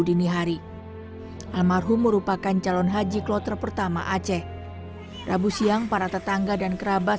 dini hari almarhum merupakan calon haji kloter pertama aceh rabu siang para tetangga dan kerabat